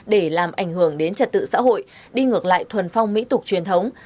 để làm ảnh hưởng đến trật tự xã hội đi ngược lại thuần phong mỹ tục truyền thống